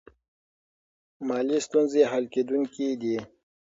مالي ستونزې حل کیدونکې دي.